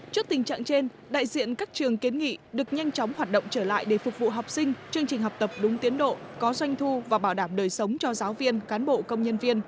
trước tình trạng trên đại diện các trường kiến nghị được nhanh chóng hoạt động trở lại để phục vụ học sinh chương trình học tập đúng tiến độ có doanh thu và bảo đảm đời sống cho giáo viên cán bộ công nhân viên